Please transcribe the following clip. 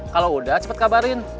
kalau udah cepet kabarin